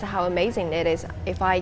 jika saya bisa belajar di sini